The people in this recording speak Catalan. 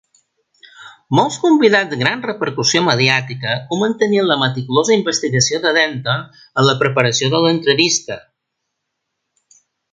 Molts convidats de gran repercussió mediàtica comentarien la meticulosa investigació de Denton en la preparació de l'entrevista.